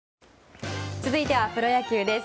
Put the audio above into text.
続いてはプロ野球です。